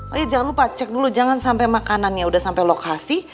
oh iya jangan lupa cek dulu jangan sampe makanannya udah sampe lokasi